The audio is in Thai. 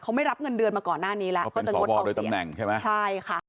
เขาไม่รับเงินเดือนมาก่อนหน้านี้แล้วก็จะงดออกเสียง